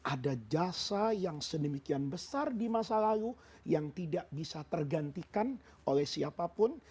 ada jasa yang sedemikian besar di masa lalu yang tidak bisa tergantikan oleh siapapun